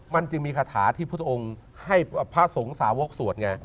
มันจึงมีคาถาที่พุทธองค์ให้พระสงฆ์สาวกสวดไง